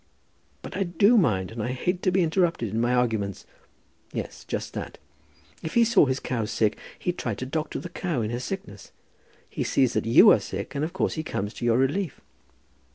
"But I do mind, and I hate to be interrupted in my arguments. Yes, just that. If he saw his cow sick, he'd try to doctor the cow in her sickness. He sees that you are sick, and of course he comes to your relief."